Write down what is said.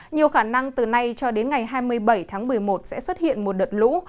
nhiều khả năng từ nay cho đến ngày hai mươi bảy tháng một mươi một sẽ xuất hiện một đợt lũ